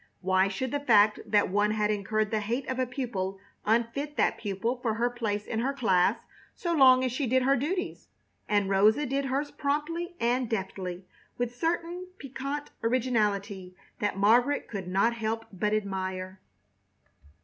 Why should the fact that one had incurred the hate of a pupil unfit that pupil for her place in her class so long as she did her duties? And Rosa did hers promptly and deftly, with a certain piquant originality that Margaret could not help but admire.